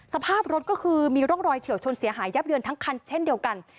สภาพรถก็คือมีร่องรอยเฉียวชนเสียหายยับเยินทั้งคันเช่นเดียวกัน